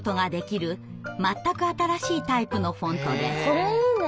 これいいね。